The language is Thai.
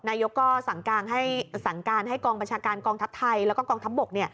นายกก็สั่งการให้กองบัญชาการกองทัพไทยแล้วก็กองทัพบก